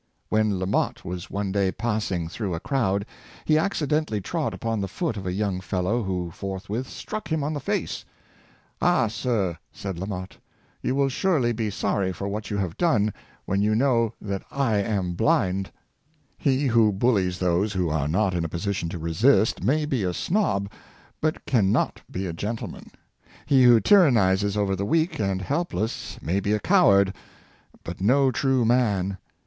When La Motte was one day passing through a crowd, he accidentally trod upon the foot of a young fellow, who forthwith struck him on the face: "Ah, sir," said La Motte, "you will surely be sorry for what you have done, when you know that / am hlmd,'^'' He who bullies those who are not in a position to resist may be a snob, but can not be a gentleman. He who tyrannizes over the weak and helpless may be a coward, but no true man.